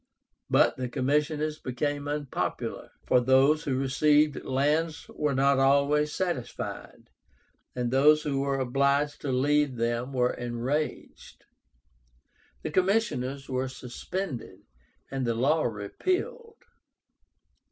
But the commissioners became unpopular, for those who received lands were not always satisfied, and those who were obliged to leave them were enraged. The commissioners were suspended, and the law repealed.